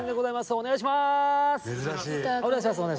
お願いします。